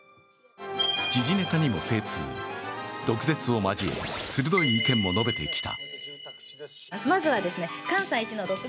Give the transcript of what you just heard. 時事ネタにも精通、毒舌を交え鋭い意見も述べてきた。